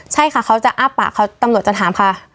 ใช่ค่ะเขาจะอ้าปากเขาตำรวจจะถามค่ะ